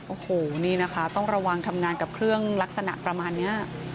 โอ้โหนี่นะคะต้องระวังทำงานกับเครื่องลักษณะประมาณนี้